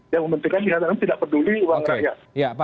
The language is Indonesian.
yang mementingkan tidak peduli uang rakyat